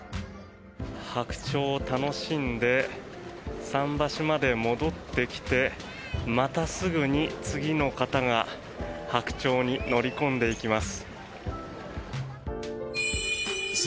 ハクチョウを楽しんで桟橋まで戻ってきてまた、すぐに次の方がハクチョウに乗り込んでいきます。